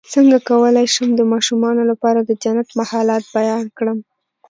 څنګه کولی شم د ماشومانو لپاره د جنت محلات بیان کړم